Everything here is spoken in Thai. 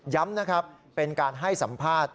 ย้ำนะครับเป็นการให้สัมภาษณ์